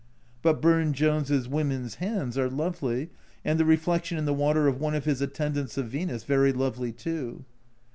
But Burne Jones' women's hands are lovely, and the reflection in the water of one of his attendants of Venus very lovely too.